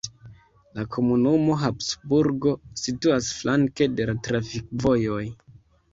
La komunumo Habsburgo situas flanke de la trafikvojoj.